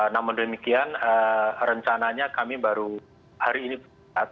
namun demikian rencananya kami baru hari ini bersama sama tim dari pusat penelitian geologi kelautan